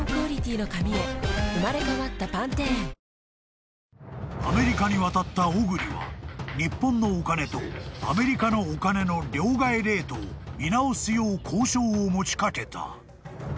はぁー［アメリカに渡った小栗は日本のお金とアメリカのお金の両替レートを見直すよう交渉を持ち掛けた］